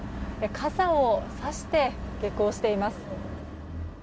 傘をさして下校しています。